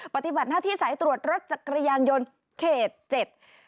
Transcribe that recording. ปฏิบัติหน้าที่สายตรวจรถจักรยานยนต์เขตเจ็ด